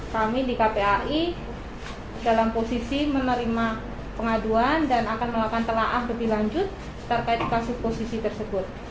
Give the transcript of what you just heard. kami di kpai dalam posisi menerima pengaduan dan akan melakukan telah lebih lanjut terkait kasus posisi tersebut